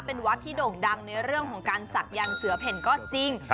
เป็นวัดที่โด่งดังในเรื่องของการศักยันต์เสือเพ่นก็จริง